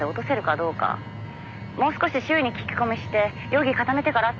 「もう少し周囲に聞き込みして容疑固めてからって思ってます」